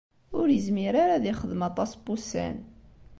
Ur izmir ara ad ixdem aṭas n wussan